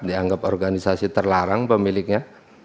dianggap organisasi terlarang pemiliknya